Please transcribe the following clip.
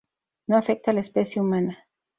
No afecta a la especie humana.